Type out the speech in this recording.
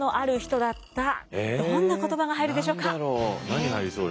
何入りそう？